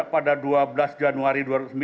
pada dua belas januari dua ribu sembilan belas